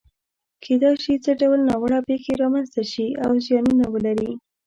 کېدای شي څه ډول ناوړه پېښې رامنځته شي او زیانونه ولري؟